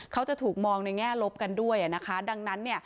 เขาจะถูกมองในแง่ลบกันด้วยดังนั้น